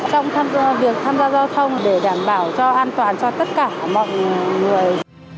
trong việc tham gia giao thông để đảm bảo cho an toàn cho tất cả mọi người